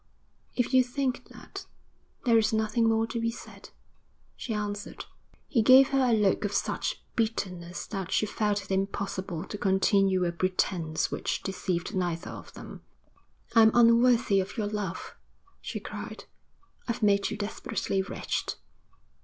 'If you think that, there is nothing more to be said,' she answered. He gave her a look of such bitterness that she felt it impossible to continue a pretence which deceived neither of them. 'I'm unworthy of your love,' she cried. 'I've made you desperately wretched.'